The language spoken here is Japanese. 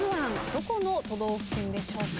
どこの都道府県でしょうか？